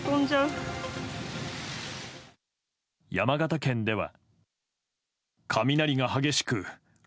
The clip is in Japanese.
山形県では。